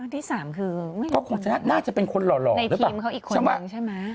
ที่๓คือไม่รู้คนนั้นนะครับในทีมเขาอีกคนนึงใช่ไหม